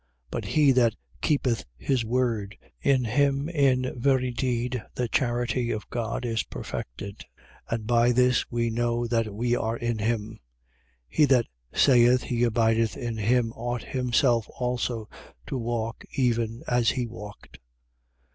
2:5. But he that keepeth his word, in him in very deed the charity of God is perfected. And by this we know that we are in him. 2:6. He that saith he abideth in him ought himself also to walk even as he walked.